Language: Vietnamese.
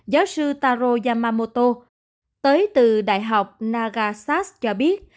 giáo sư taro yamamoto tới từ đại học nagasas cho biết